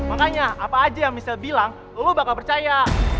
makanya apa aja yang misal bilang lo bakal percaya